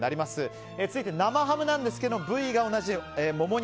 続いて生ハムですが部位が同じモモ肉。